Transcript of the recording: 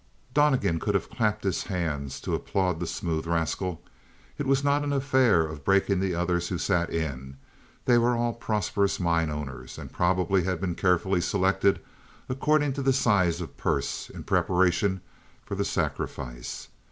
Donnegan could have clapped his hands to applaud the smooth rascal. It was not an affair of breaking the others who sat in. They were all prosperous mine owners, and probably they had been carefully selected according to the size of purse, in preparation for the sacrifice.